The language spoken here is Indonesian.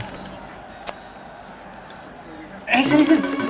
saya belum selesai om